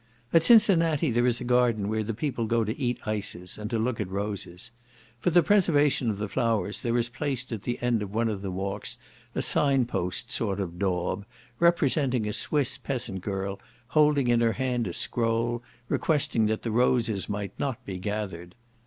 At Cincinnati there is a garden where the people go to eat ices, and to look at roses. For the preservation of the flowers, there is placed at the end of one of the walks a sign post sort of daub, representing a Swiss peasant girl, holding in her hand a scroll, requesting that the roses might not be gathered.